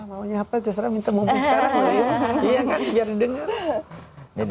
mau nyapa terserah minta mobil sekarang